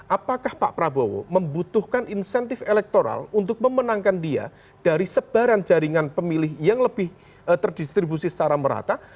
apakah pak prabowo membutuhkan insentif elektoral untuk memenangkan dia dari sebaran jaringan pemilih yang lebih terdistribusi secara merata